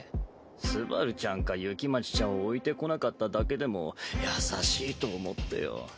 昴ちゃんか雪待ちゃんを置いてこなかっただけでも優しいと思ってよ。